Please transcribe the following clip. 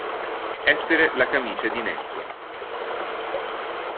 Essere la camicia di Nesso.